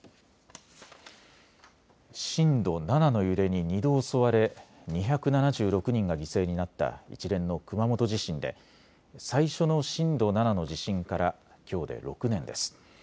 震度７の揺れに２度襲われ２７６人が犠牲になった一連の熊本地震で最初の震度７の地震からきょうで６年です。